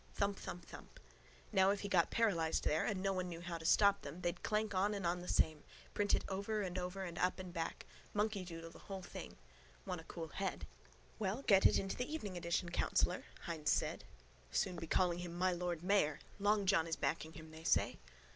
Thump, thump, thump. Now if he got paralysed there and no one knew how to stop them they'd clank on and on the same, print it over and over and up and back. Monkeydoodle the whole thing. Want a cool head. —Well, get it into the evening edition, councillor, Hynes said. Soon be calling him my lord mayor. Long John is backing him, they say.